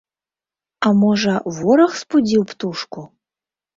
А можа, вораг спудзіў птушку?